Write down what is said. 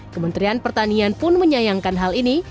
kementerian pertanian pun menyayangkan hal ini